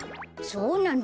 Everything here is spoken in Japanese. そうなの？